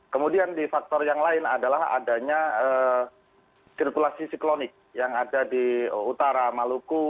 kemudian di faktor yang lain adalah adanya sirkulasi siklonik yang ada di utara maluku